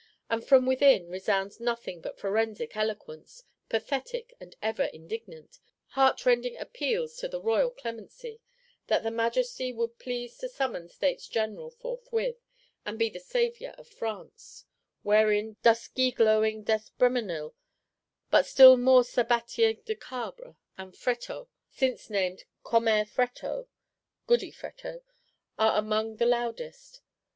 And from within, resounds nothing but forensic eloquence, pathetic and even indignant; heartrending appeals to the royal clemency, that his Majesty would please to summon States General forthwith, and be the Saviour of France:—wherein dusky glowing D'Espréménil, but still more Sabatier de Cabre, and Fréteau, since named Commère Fréteau (Goody Fréteau), are among the loudest.